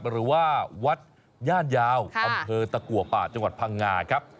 หรือว่าวัดย่านยาวอำเภอตะกัวป่าจังหวัดพังงาครับ